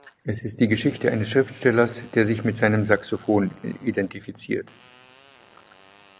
Es ist die Geschichte eines Schriftstellers, der sich mit seinem Saxophon identifiziert.